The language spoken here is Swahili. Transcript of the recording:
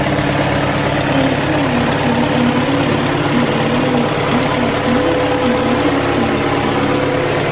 Hali hii ilitambuliwa na Uholanzi mwaka elfumoja mia nane kumi na tano